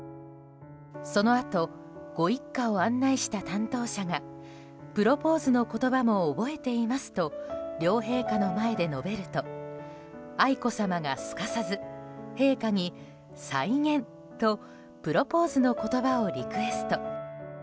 そのあとご一家を案内した担当者がプロポーズの言葉も覚えていますと両陛下の前で述べると愛子さまがすかさず陛下に再現とプロポーズの言葉をリクエスト。